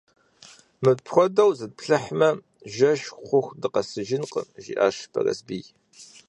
– Мыпхуэдэу зытплъыхьмэ, жэщ хъуху дыкъэсыжынкъым, – жиӀащ Бэрэсбий.